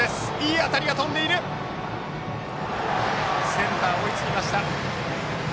センター、追いつきました。